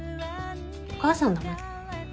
お母さんだもん。